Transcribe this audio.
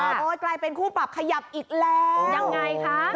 นะครับโอ้ใกล้เป็นคู่ปรับขยับอีกแล้วอย่างไรค่ะ